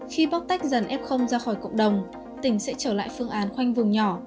khi bóc tách dần f ra khỏi cộng đồng tỉnh sẽ trở lại phương án khoanh vùng nhỏ